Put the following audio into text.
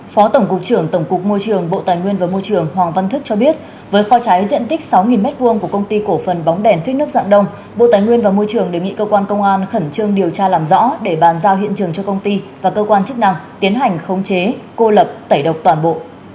phó tổng cục trưởng tổng cục môi trường bộ tài nguyên và môi trường hoàng văn thức cho biết với kho cháy diện tích sáu m hai của công ty cổ phần bóng đèn phích nước dạng đông bộ tài nguyên và môi trường đề nghị cơ quan công an khẩn trương điều tra làm rõ để bàn giao hiện trường cho công ty và cơ quan chức năng tiến hành khống chế cô lập tẩy độc toàn bộ